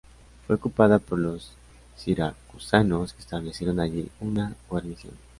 Fue ocupada por los siracusanos que establecieron allí una guarnición.